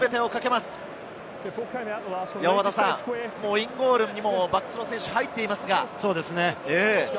インゴールにもバックスの選手が入っています。